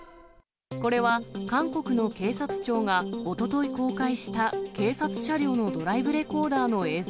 これは韓国の警察庁が、おととい公開した、警察車両のドライブレコーダーの映像。